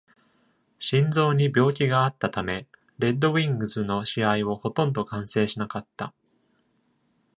心臓に病気があったため、レッドウィングズの試合をほとんど観戦しなかった。